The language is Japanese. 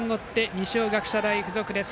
二松学舎大付属です。